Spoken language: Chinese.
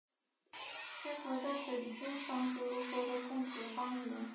该国在本质上是俄国的共主邦联。